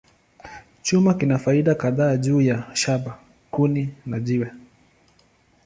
Chuma kina faida kadhaa juu ya shaba, kuni, na jiwe.